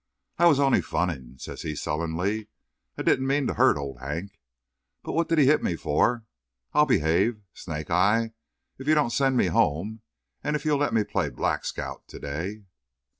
"I was only funning," says he sullenly. "I didn't mean to hurt Old Hank. But what did he hit me for? I'll behave, Snake eye, if you won't send me home, and if you'll let me play the Black Scout to day."